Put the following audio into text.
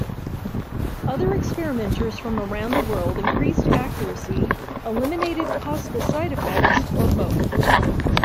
Other experimenters from around the world increased accuracy, eliminated possible side effects, or both.